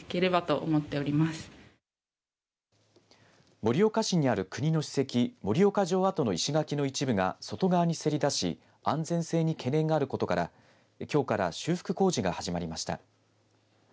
盛岡市にある国の史跡盛岡城跡の石垣の一部が外側にせり出し安全性に懸念があることからきょうから修復工事が始まりました。